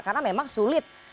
karena memang sulit